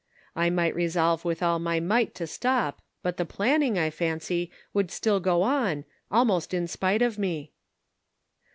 I might resolve with all my might to stop, but the planning, I fancy, would still go on, almost in spite of me."